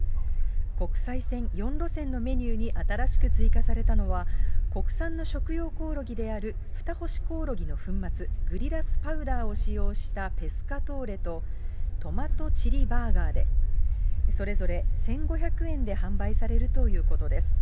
国際線４路線のメニューに新しく追加されたのは、国産の食用コオロギであるフタホシコオロギの粉末、グリラスパウダーを使用したペスカトーレと、トマトチリバーガーで、それぞれ１５００円で販売されるということです。